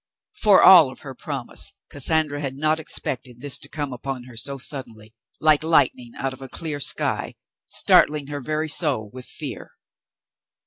For all of her promise, Cassandra had not expected this to come upon her so suddenly, like lightning out of a clear sky, startling her very soul with fear.